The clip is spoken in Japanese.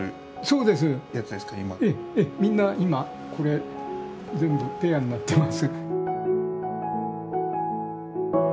みんな今これ全部ペアになってます。